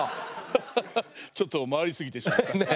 ハハハちょっと回り過ぎてしまった。